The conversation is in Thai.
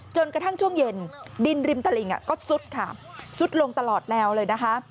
จนกระทั่งช่วงเย็นดินริมตลิงก็ซุดค่ะซุดลงตลอดแนวเลยนะคะ